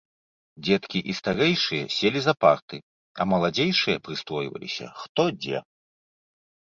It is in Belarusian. Дзеткі і старэйшыя селі за парты, а маладзейшыя прыстройваліся хто дзе.